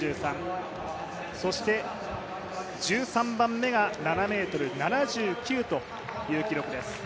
そして１３番目が７ｍ７９という記録です。